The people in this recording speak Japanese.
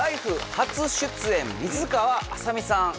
初出演水川あさみさん。